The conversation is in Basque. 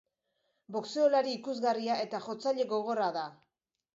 Boxeolari ikusgarria eta jotzaile gogorra da.